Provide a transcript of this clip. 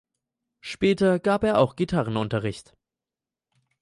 Später gab er auch Gitarrenunterricht.